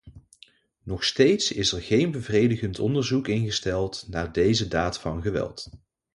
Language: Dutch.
Nog steeds is er geen bevredigend onderzoek ingesteld naar deze daad van geweld.